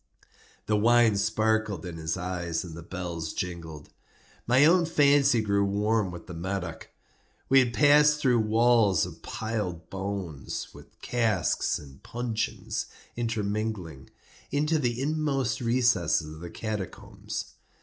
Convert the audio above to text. The wine sparkled in his eyes and the bells jingled. My own fancy grew warm with the Medoc. We had passed through walls of piled bones, with casks and puncheons intermingling, into the inmost recesses of the catacombs.